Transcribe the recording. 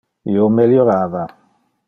Io meliorava.